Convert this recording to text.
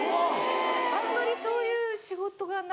あんまりそういう仕事がなかった。